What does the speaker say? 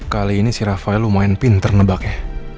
kali ini si raffaele lumayan pinter nebak ya